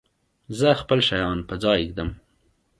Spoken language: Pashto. زه خپل شیان په ځای ږدم.